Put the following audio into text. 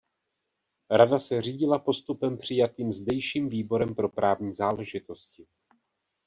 Rada se řídila postupem přijatým zdejším Výborem pro právní záležitosti.